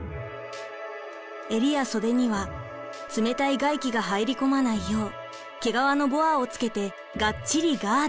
襟や袖には冷たい外気が入り込まないよう毛皮のボアをつけてがっちりガード。